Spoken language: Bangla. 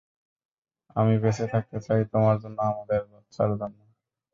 আমি বেঁচে থাকতে চাই, তোমার জন্য আমাদের বাচ্চার জন্য।